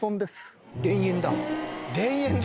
田園だ！